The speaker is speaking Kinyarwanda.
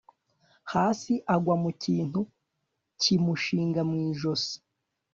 hasi agwa mukintu kimushinga mwijosi